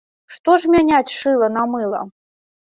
Што ж мяняць шыла на мыла?!